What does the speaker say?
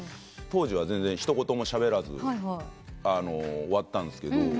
当時は全然一言もしゃべらず終わったんすけど。